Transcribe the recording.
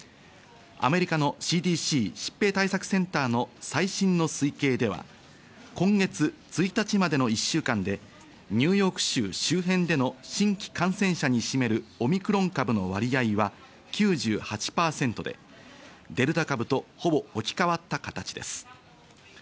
アメリカのＣＤＣ＝疾病対策センターの最新の推計では、今月１日までの１週間でニューヨーク州周辺での新規感染者に占めるオミクロン株の割合は９８％で、デルタ株とほぼ置き換わった形です。